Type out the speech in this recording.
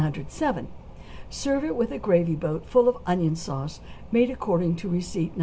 107; serve it with a gravy boat full of onion sauce made according to receipt No.